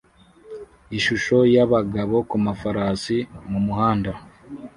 Ishusho yabagabo kumafarasi mumuhanda